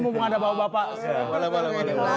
mumpung ada bapak bapak